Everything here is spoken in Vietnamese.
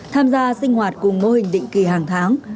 tham gia sinh hoạt cùng mô hình định kỳ hàng tháng